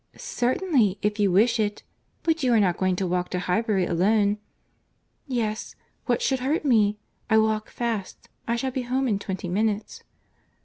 "Certainly, if you wish it;—but you are not going to walk to Highbury alone?" "Yes—what should hurt me?—I walk fast. I shall be at home in twenty minutes."